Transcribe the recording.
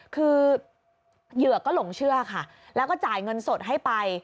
คือเหยื่อก็หลงเชื่อค่ะแล้วก็จ่ายเงินสดให้ไป